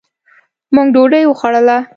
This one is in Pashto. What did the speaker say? مونږ ډوډي وخوړله